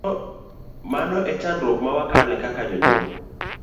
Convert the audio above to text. Mano e chandruok ma wakale kaka jonyuol.